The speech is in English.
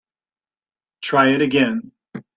Try it again.